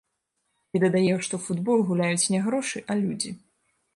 І дадае, што ў футбол гуляюць не грошы, а людзі.